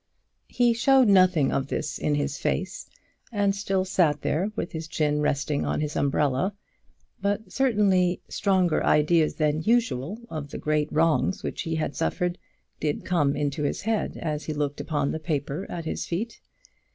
He showed nothing of this in his face, and still sat there with his chin resting on his umbrella. But certainly stronger ideas than usual of the great wrongs which he had suffered did come into his head as he looked upon the paper at his feet.